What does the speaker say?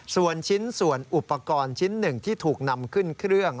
ส่วนชิ้นส่วนอุปกรณ์ชิ้นหนึ่งที่ถูกนำขึ้นเครื่อง